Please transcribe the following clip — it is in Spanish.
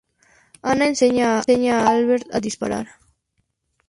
Anna enseña a Albert a disparar.